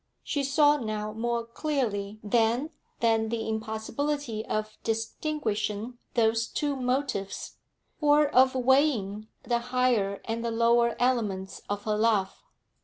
She saw now more clearly than then the impossibility of distinguishing those two motives, or of weighing the higher and the lower elements of her love.